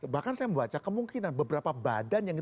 bahkan saya membaca kemungkinan beberapa badan yang